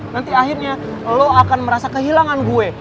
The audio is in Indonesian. nanti akhirnya lo akan merasa kehilangan gue